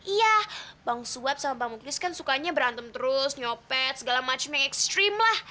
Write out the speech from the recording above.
iya bang suap sama bang muklis kan sukanya berantem terus nyopet segala macem yang ekstrim lah